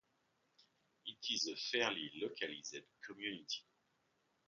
It is a fairly localised community.